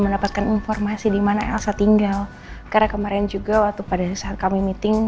mendapatkan informasi dimana elsa tinggal karena kemarin juga waktu pada saat kami meeting